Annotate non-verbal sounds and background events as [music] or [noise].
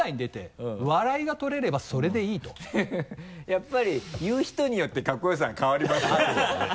やっぱり言う人によってかっこよさが変わりますね [laughs]